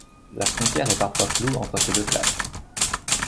La frontière est parfois floue entre ces deux classes.